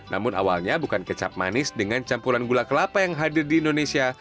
namun awalnya bukan kecap manis dengan campuran gula kelapa yang hadir di indonesia